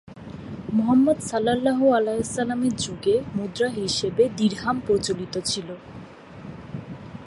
মুহাম্মদ সাঃ এর যুগে মুদ্রা হিসেবে দিরহাম প্রচলিত ছিলো।